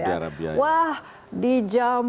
arabia wah di jam